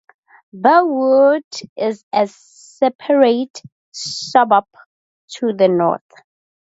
Burwood is a separate suburb, to the north.